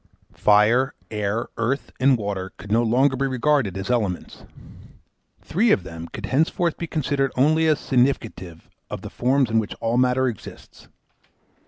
Fire, air, earth, and water, could no longer be regarded as elements. Three of them could henceforth be considered only as significative of the forms in which all matter exists.